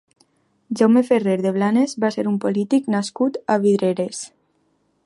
Jaume Ferrer de Blanes va ser un polític nascut a Vidreres.